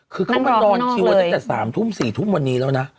คือเขามานอนชิววันตั้งแต่๓๔วันนี้แล้วนะ